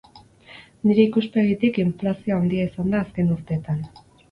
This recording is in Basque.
Nire ikuspegitik inflazioa handia izan da azken urtetan.